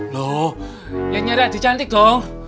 loh yang nyari ade cantik dong